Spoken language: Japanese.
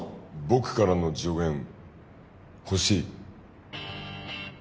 僕からの助言ほしい？